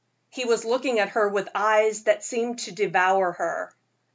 He was looking at her with eyes that seemed to devour her.